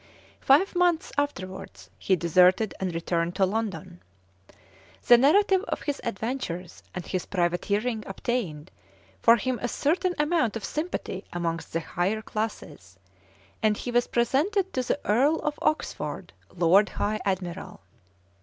Five months afterwards he deserted and returned to London. The narrative of his adventures and his privateering obtained for him a certain amount of sympathy amongst the higher classes, and he was presented to the Earl of Oxford, Lord High Admiral.